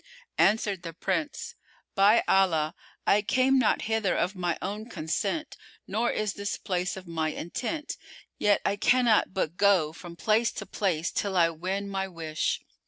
Answered the Prince, "By Allah, I came not hither of my own consent nor is this place of my intent; yet I cannot but go from place to place till I win my wish."